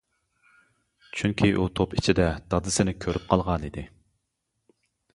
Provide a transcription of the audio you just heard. چۈنكى ئۇ توپ ئىچىدە دادىسىنى كۆرۈپ قالغانىدى!